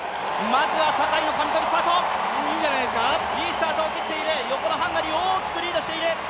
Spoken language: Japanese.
まずは坂井いいスタートを切っている、横のハンガリーを大きくリードしている。